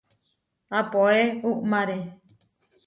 Apoé uʼmáre.